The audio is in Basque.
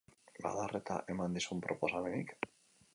Bada arreta eman dizun proposamenik?